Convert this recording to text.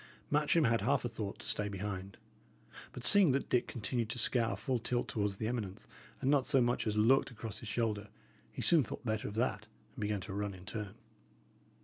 Matcham had half a thought to stay behind; but, seeing that Dick continued to scour full tilt towards the eminence and not so much as looked across his shoulder, he soon thought better of that, and began to run in turn.